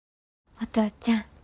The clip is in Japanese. お父ちゃん。